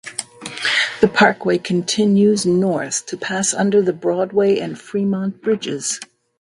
The parkway continues north to pass under the Broadway and Fremont bridges.